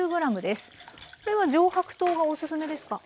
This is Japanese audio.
これは上白糖がおすすめですか？